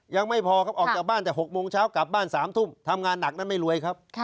ยังไม่พอครับออกจากบ้านแต่๖โมงเช้ากลับบ้าน๓ทุ่มทำงานหนักนั้นไม่รวยครับ